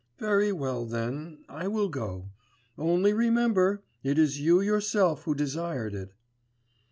'Very well then, I will go.... Only remember, it is you yourself who desired it.